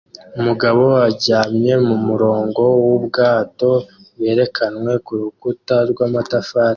Umugabo aryamye mumurongo wubwato bwerekanwe kurukuta rwamatafari